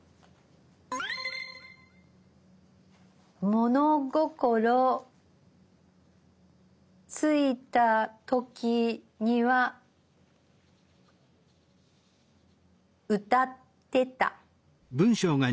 物心ついた時には歌ってた。